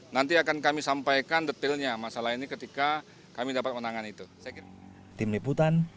nanti akan kami sampaikan detailnya masalah ini ketika kami dapat menangan itu